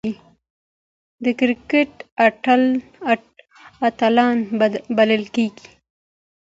د کرکټ اتلان بدلېږي.